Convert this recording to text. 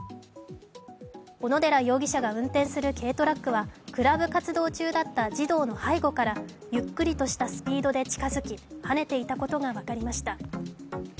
小野寺容疑者が運転する軽トラックはクラブ活動中だった児童の背後からゆっくりとしたスピードで近づきはねていたことが分かりました。